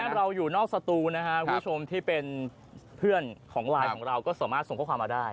เราอยู่นอกสตูนะครับคุณผู้ชมที่เป็นเพื่อนของไลน์ของเราก็สามารถส่งข้อความมาได้